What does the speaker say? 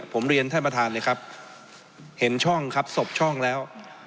ผมเรียนท่านประธานเลยครับเห็นช่องครับศพช่องแล้ว